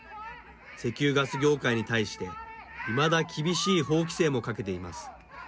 石油・ガス業界に対していまだ厳しい法規制もかけています。